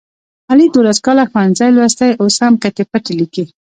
علي دوولس کاله ښوونځی لوستی اوس هم کتې پتې لیکي.